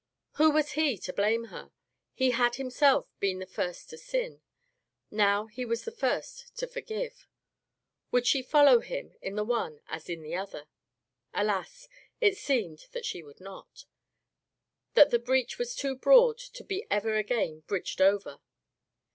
Who was he, to blame her? He had himself been the first to sin. Now he was the first to forgive. Would she fol low him in the one as in the other ? Alas ! it seemed that she would not — that the breach was too broad to be ever again bridged over.